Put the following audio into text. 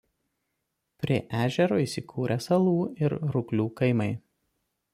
Prie ežero įsikūrę Salų ir Ruklių kaimai.